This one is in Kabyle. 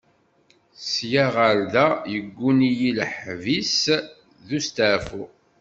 Sya ɣer da yegguni-iyi leḥbis d ustaɛfu.